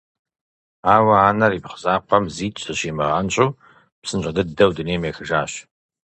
Ауэ анэр ипхъу закъуэм зикӀ зыщимыгъэнщӀу псынщӀэ дыдэу дунейм ехыжащ.